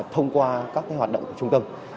thông qua các cái hoạt động của trung tâm